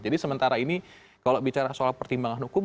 jadi sementara ini kalau bicara soal pertimbangan hukum